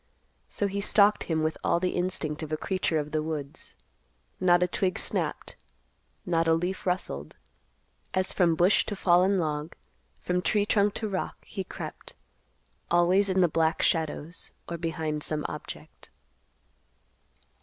So he stalked him with all the instinct of a creature of the woods. Not a twig snapped, not a leaf rustled, as from bush to fallen log, from tree trunk to rock, he crept, always in the black shadows, or behind some object.